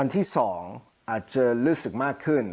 ที่๒อาจจะรู้สึกมากขึ้น